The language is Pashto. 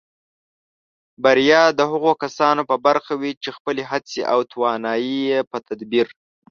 بریا د هغو کسانو په برخه وي چې خپلې هڅې او توانایۍ په تدبیر